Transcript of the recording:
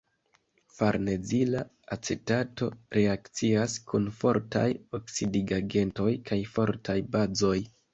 Farnezila acetato reakcias kun fortaj oksidigagentoj kaj fortaj bazoj.